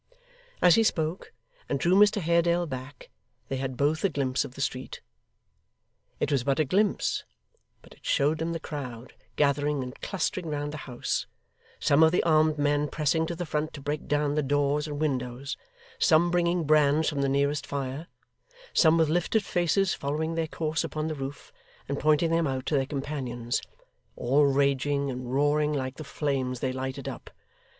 As he spoke, and drew Mr Haredale back, they had both a glimpse of the street. It was but a glimpse, but it showed them the crowd, gathering and clustering round the house: some of the armed men pressing to the front to break down the doors and windows, some bringing brands from the nearest fire, some with lifted faces following their course upon the roof and pointing them out to their companions: all raging and roaring like the flames they lighted up.